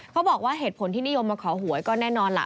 เขาบอกว่าเหตุผลที่นิยมมาขอหวยก็แน่นอนล่ะ